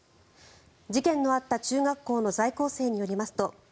事件のあった中学校の在校生によりますと